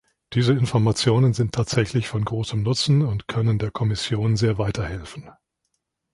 Diese Informationen sind tatsächlich von großem Nutzen und können der Kommission sehr weiterhelfen.